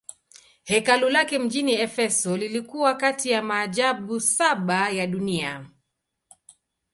Hekalu lake mjini Efeso lilikuwa kati ya maajabu saba ya dunia.